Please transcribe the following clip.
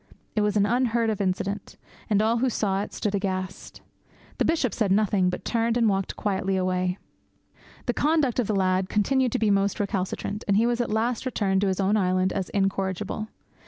It was an unheard of incident, and all who saw it stood aghast. The Bishop said nothing, but turned and walked quietly away. The conduct of the lad continued to be most recalcitrant, and he was at last returned to his own island as incorrigible.